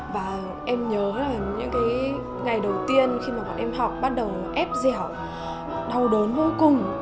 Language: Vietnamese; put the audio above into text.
và em nhớ là những cái ngày đầu tiên khi mà bọn em học bắt đầu ép dẻo đau đớn vô cùng